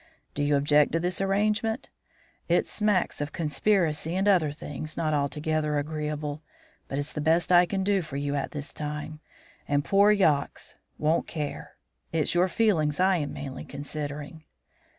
Do you object to this arrangement? It smacks of conspiracy and other things not altogether agreeable; but it's the best I can do for you at this time, and poor Yox won't care; it's your feelings I am mainly considering."